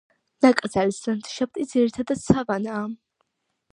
ნაკრძალის ლანდშაფტი ძირითადად სავანაა.